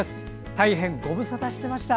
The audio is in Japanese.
大変ご無沙汰してました。